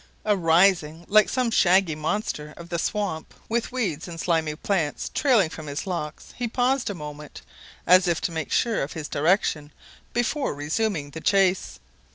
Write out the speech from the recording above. Arising, like some shaggy monster of the swamp, with weeds and slimy plants trailing from his locks, he paused a moment, as if to make sure of his direction before resuming the chase.